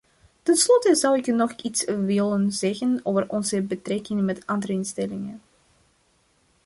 Tenslotte zou ik nog iets willen zeggen over onze betrekkingen met andere instellingen.